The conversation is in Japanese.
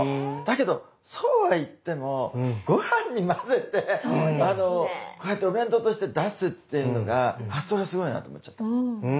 だけどそうはいってもごはんに混ぜてこうやってお弁当として出すっていうのが発想がすごいなと思っちゃった。